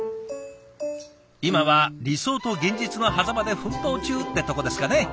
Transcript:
今は理想と現実のはざまで奮闘中ってとこですかね。